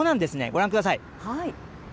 ご覧ください。